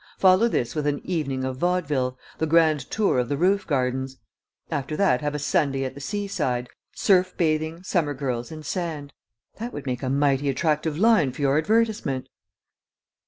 Follow this with 'An Evening of Vaudeville: The Grand Tour of the Roof Gardens.' After that have a 'Sunday at the Sea side Surf Bathing, Summer Girls and Sand.' That would make a mighty attractive line for your advertisement."